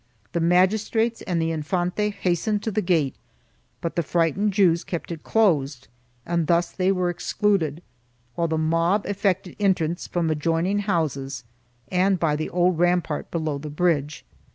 The magistrates and the Infante has tened to the gate, but the frightened Jews kept it closed and thus they were excluded, while the mob effected entrance from adjoining houses and by the old rampart below the bridge.